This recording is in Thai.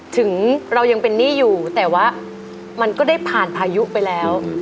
ถึงเรายังเป็นหนี้อยู่แต่ว่ามันก็ได้ผ่านพายุไปแล้ว